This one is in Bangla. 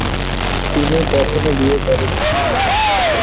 তিনি কখনো বিয়ে করেননি।